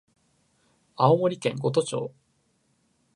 青森県五戸町